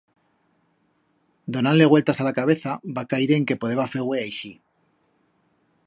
Donand-le vueltas a la cabeza, va caire en que podeba fer-hue aixit.